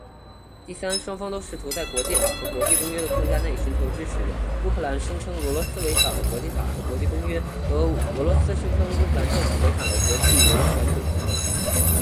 第三，双方都试图在国际法和国际公约的框架内寻求支持。乌克兰声称俄罗斯违反了国际法和国际公约，而俄罗斯则声称乌克兰政府违反了国际人权准则。